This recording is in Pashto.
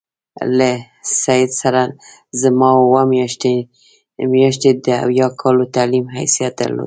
له سید سره زما اووه میاشتې د اویا کالو تعلیم حیثیت درلود.